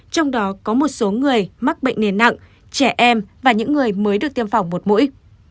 trong đó có một số người mắc bệnh nền nặng trẻ em và những người mới được tiêm phòng một mũi